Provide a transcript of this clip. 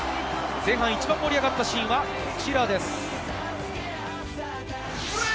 前半、一番盛り上がったシーンはこちらです。